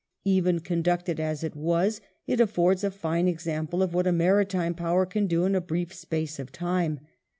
Even conducted as it was it affords a fine example of what a maritime power can do in a brief space of time.